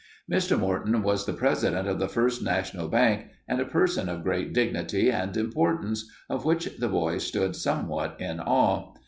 Mr. Morton was the president of the First National Bank, and a person of great dignity and importance, of whom the boys stood somewhat in awe.